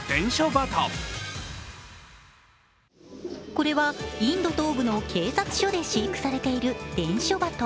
これはインド東部の警察署で飼育されている伝書鳩。